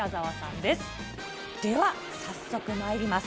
では早速まいります。